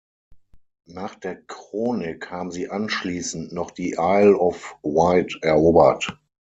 Nach der Chronik haben sie anschließend noch die Isle of Wight erobert.